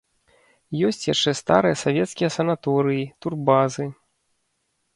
Ёсць яшчэ старыя савецкія санаторыі, турбазы.